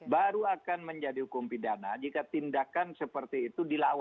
baru akan menjadi hukum pidana jika tindakan seperti itu dilakukan